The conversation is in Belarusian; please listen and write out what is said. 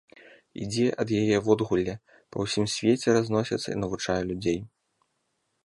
Ідзе ад яе водгулле, па ўсім свеце разносіцца, навучае людзей.